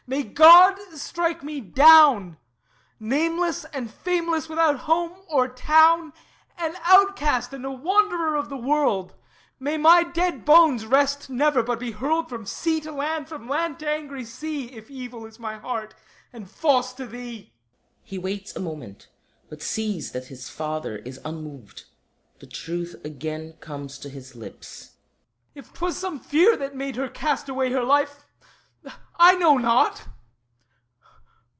May God strike me down, Nameless and fameless, without home or town, An outcast and a wanderer of the world; May my dead bones rest never, but be hurled From sea to land, from land to angry sea, If evil is my heart and false to thee! [He waits a moment; but sees that his Father is unmoved. The truth again comes to his lips.] If 'twas some fear that made her cast away Her life ... I know not.